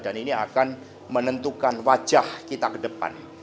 dan ini akan menentukan wajah kita ke depan